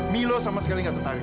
milo sama sekali nggak tertarik